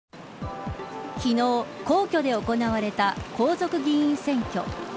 昨日、皇居で行われた皇族議員選挙。